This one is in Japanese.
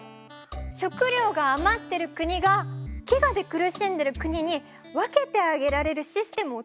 食料があまってる国が飢餓で苦しんでる国に分けてあげられるシステムを作ればいいんだ。